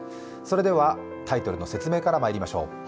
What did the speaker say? それではタイトルの説明からまいりましょう。